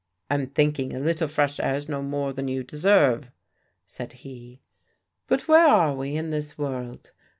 "I'm thinking a little fresh air's no more than you deserve," said he. "But where are we, in this world?"